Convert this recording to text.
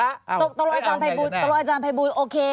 ตัวโรคอาจารย์พระอาจารย์พระอาจารย์โอเค